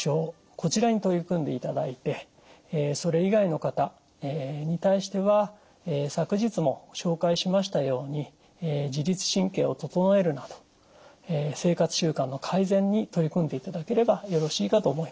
こちらに取り組んでいただいてそれ以外の方に対しては昨日も紹介しましたように自律神経を整えるなど生活習慣の改善に取り組んでいただければよろしいかと思います。